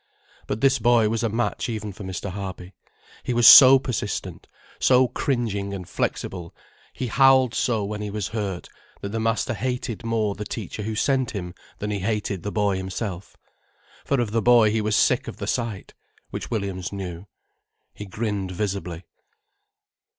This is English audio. But this boy was a match even for Mr. Harby. He was so persistent, so cringing, and flexible, he howled so when he was hurt, that the master hated more the teacher who sent him than he hated the boy himself. For of the boy he was sick of the sight. Which Williams knew. He grinned visibly.